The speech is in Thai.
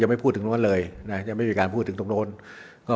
ยังไม่พูดถึงตรงนั้นเลยยังไม่มีการพูดถึงตรงนู้น